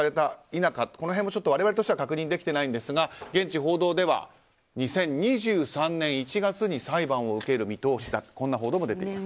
否かこの辺も、我々としては確認できていないんですが現地報道では２０２３年１月に裁判を受ける見通しだという報道も出ています。